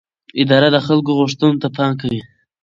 اداره د خلکو غوښتنو ته پام کوي.